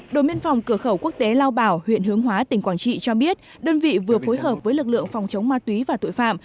đội biên phòng cửa khẩu quốc tế lao bảo huyện hướng hóa tỉnh quảng trị cho biết đơn vị vừa phối hợp với lực lượng phòng chống ma túy và tội phạm